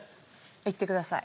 いってください。